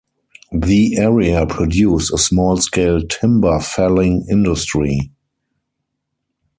The area produced a small scale timber felling industry.